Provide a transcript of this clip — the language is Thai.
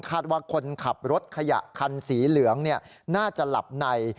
ว่าคนขับรถขยะคันสีเหลืองน่าจะหลับใน